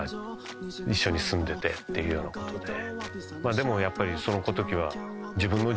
でもやっぱりそのときは。